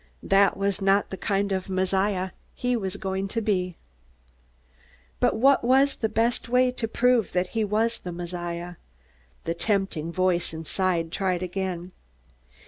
That was not the kind of Messiah he was going to be. But what was the best way to prove that he was the Messiah? The tempting voice inside tried again.